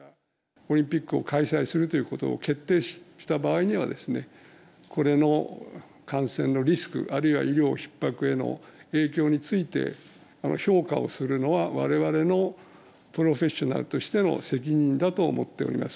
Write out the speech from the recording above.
オリンピックを開催するということを決定した場合にはですね、これの感染のリスク、あるいは医療ひっ迫への影響について、評価をするのは、われわれのプロフェッショナルとしての責任だと思っております。